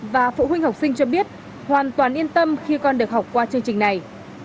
và phụ huynh học sinh cho biết hoàn toàn yên tâm khi con được học qua chương trình này